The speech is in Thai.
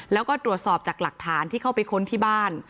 แล้วก็ตรวจสอบจากหลักฐานที่เข้าไปค้นที่บ้าน